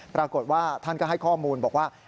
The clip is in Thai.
ปรากฏว่าท่านก็ให้ข้อมูลบอกว่า